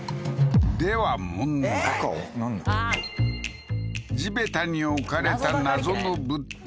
では地べたに置かれた謎の物体